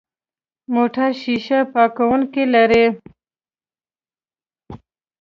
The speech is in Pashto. موټر شیشه پاکونکي لري.